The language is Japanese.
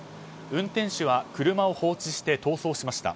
運転手は車を放置して逃走しました。